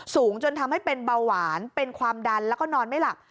สูงจนทำให้เป็นเบาหวานเป็นความดันแล้วก็นอนไม่หลับ